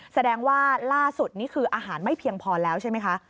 แสดงว่าล่าสุดนี่คืออาหารไม่เพียงพอแล้วใช่ไหมคะ